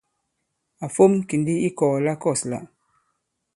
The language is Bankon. Ǎ fōm kì ndī i ikɔ̀ɔ̀ la kɔ̂s lā.